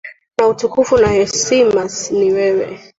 Na utukufu na hesima ni wewe.